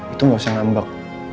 itu gak usah ngambek